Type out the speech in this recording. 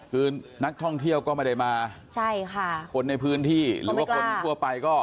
คือนักท่องเที่ยวก็ไม่ได้มาใช่ค่ะคนในพื้นที่หรือว่าคนทั่วไปก็